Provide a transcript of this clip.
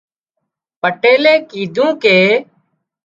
پٽيلئي ڪيڌون ڪي